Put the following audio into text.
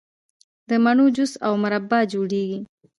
د مڼو جوس او مربا جوړیږي.